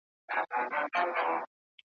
پردی غم ,